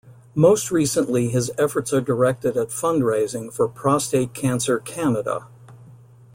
Most recently his efforts are directed at fundraising for Prostate Cancer Canada.